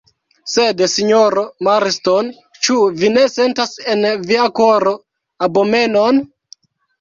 Sed, sinjoro Marston, ĉu vi ne sentas en via koro abomenon?